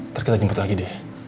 ntar kita jemput lagi deh